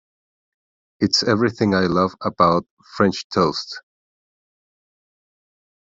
It's everything I love abou French toast.